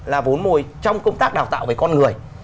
là vốn mồi trong công tác đào tạo về con người